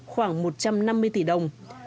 khoảng một trăm năm mươi tỷ đồng